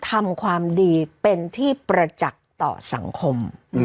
ทำความดีเป็นที่ประจักษ์ต่อสังคม